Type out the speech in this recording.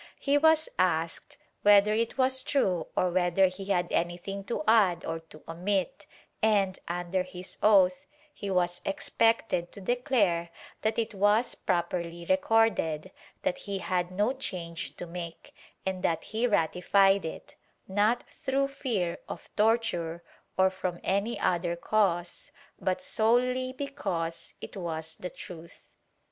He was asked whether it was true or whether he had anything to add or to omit and, under his oath, he was expected to declare that it was properly recorded, that he had no change to make and that he ratified it, not through fear of torture, or from any other cause, but solel}^ because it was the truth.